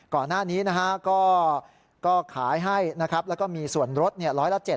ก่อนหน้านี้ก็ขายให้แล้วก็มีส่วนลด๑๐๐ละ๗